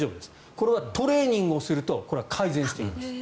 これはトレーニングをするとこれは改善していきます。